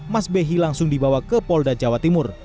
mas behi langsung dibawa ke polda jawa timur